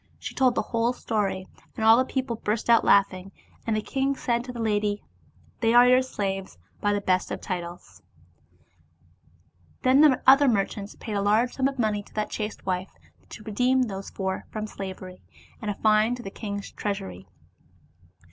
She told the whole story, and all the people burst out laughing, and the king said to the lady, " They are your slaves by the best of titles." Then the other mer 90 The Sharpers and the Moneylender chants paid a large sum of money to that chaste wife, to redeem those four from slavery, and a fine to the king's treasury.